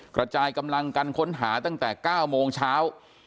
กระจายกำลังกันค้นหาตั้งแต่๙โมงเช้า